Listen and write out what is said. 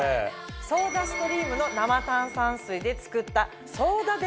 ソーダストリームの生炭酸水で作った。